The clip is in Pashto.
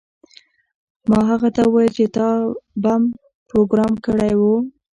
ما هغه ته وویل چې تا بم پروګرام کړی و